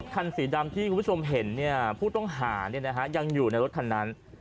คันสีดำที่คุณผู้ชมเห็นผู้ต้องหายังอยู่ในรถคันนั้น